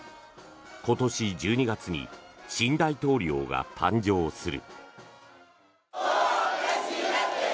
今年１２月に新大統領が誕生する。